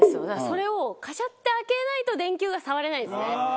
それをカシャって開けないと電球が触れないんですね。